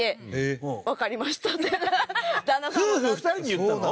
夫婦２人に言ったの？